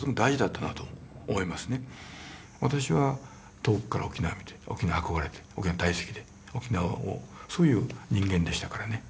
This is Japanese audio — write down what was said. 私は遠くから沖縄を見て沖縄に憧れて沖縄大好きで沖縄をそういう人間でしたからね。